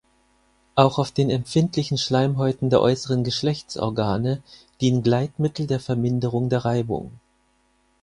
Auch auf den empfindlichen Schleimhäuten der äußeren Geschlechtsorgane dienen Gleitmittel der Verminderung der Reibung.